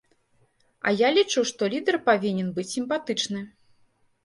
А я лічу, што лідар павінен быць сімпатычны.